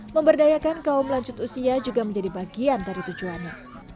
memberdayakan kaum lanjut usia juga menjadi bagian dari tujuannya